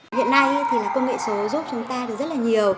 hiện nay công nghệ số giúp chúng ta rất là nhiều